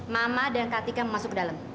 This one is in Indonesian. mama dan katika masuk ke dalam